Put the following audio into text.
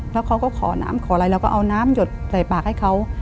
แล้วเขาก็ขอน้ำขออะไรเราก็เอาน้ำหยดใส่ปากให้เขา